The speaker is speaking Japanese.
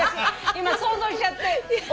今想像しちゃって。